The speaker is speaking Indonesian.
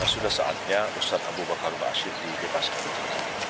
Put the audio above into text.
sudah saatnya ustadz abu bakar basir dibebaskan